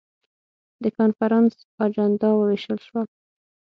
د کنفرانس اجندا وویشل شول.